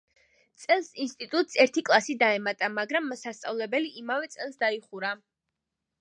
წელს ინსტიტუტს ერთი კლასი დაემატა, მაგრამ სასწავლებელი იმავე წელს დაიხურა.